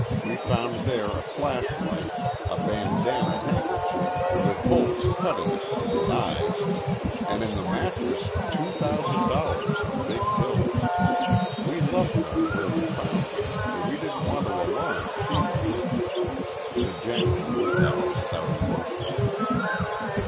We found there a flashlight, a bandanna handkerchief with holes cut in it for the eyes, an' in the mattress two thousand dollars in big bills. We left them where we found them, for we didn't want to alarm Shibo." The janitor looked at him without emotion.